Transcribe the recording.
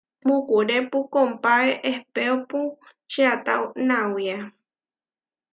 Mukurépu kompáe ehpéopu čiatá nawía.